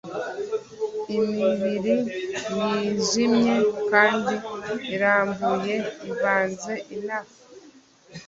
imibiri yijimye kandi irambuye ivanze, inama